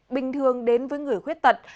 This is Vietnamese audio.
bình thường đến với người khuyết tật